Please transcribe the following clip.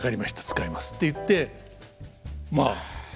使います」って言ってまあ